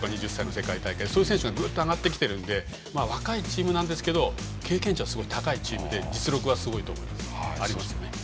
そういう選手がぐっと上がってきているので若いチームですが経験値は高いチームで実力はすごいと思います。